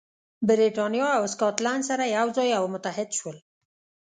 برېټانیا او سکاټلند سره یو ځای او متحد شول.